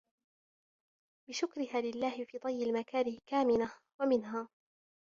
بِشُكْرِهَا لِلَّهِ فِي طَيِّ الْمَكَارِهِ كَامِنَهْ وَمِنْهَا